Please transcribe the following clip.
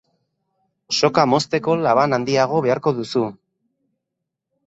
Soka mozteko laban handiago beharko duzu.